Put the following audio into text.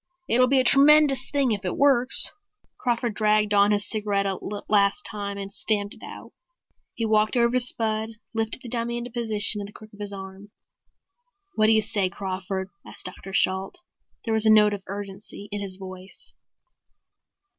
It'll be a tremendous thing if it works." Crawford dragged on his cigarette a last time and stamped it out. He walked over to Spud, lifted the dummy into position in the crook of his arm. "What do you say, Crawford?" asked Dr. Shalt. There was a note of urgency in his voice.